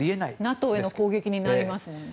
ＮＡＴＯへの攻撃になりますものね。